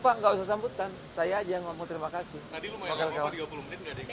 pak nggak usah sambutan saya aja ngomong terima kasih tadi lu mau yang dua puluh menit